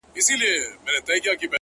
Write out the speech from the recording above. موږ د تاوان په کار کي یکایک ده ګټه کړې،